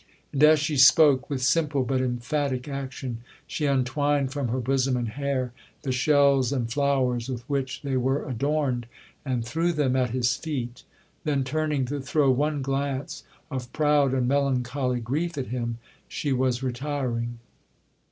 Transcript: And as she spoke, with simple, but emphatic action, she untwined from her bosom and hair the shells and flowers with which they were adorned, and threw them at his feet; then turning to throw one glance of proud and melancholy grief at him, she was retiring.